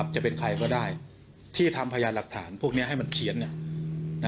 จะเป็นใครก็ได้ที่ทำพยานหลักฐานพวกนี้ให้มันเขียน